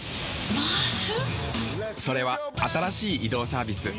それは新しい移動サービス「ＭａａＳ」。